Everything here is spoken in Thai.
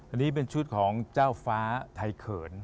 อันนี้เป็นชุดของเจ้าฟ้าไทยเขิน